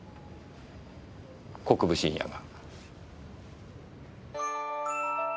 国分信也が？